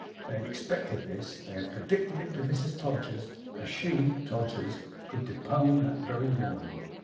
They had expected this. They had predicted it to Mrs Todgers, as she (Todgers) could depone, that very morning.